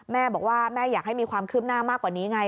แม่บอกว่าแม่อยากให้มีความคืบหน้ามากกว่านี้ไง